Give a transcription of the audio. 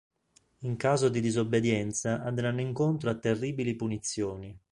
In caso di disobbedienza andranno incontro a terribili punizioni.